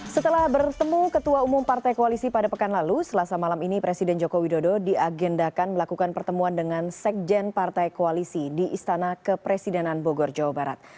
setelah bertemu ketua umum partai koalisi pada pekan lalu selasa malam ini presiden joko widodo diagendakan melakukan pertemuan dengan sekjen partai koalisi di istana kepresidenan bogor jawa barat